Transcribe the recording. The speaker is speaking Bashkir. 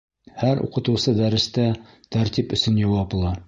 Һәр уҡытыусы дәрестә тәртип өсөн яуаплы!